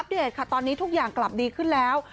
เดตค่ะตอนนี้ทุกอย่างกลับดีขึ้นแล้ว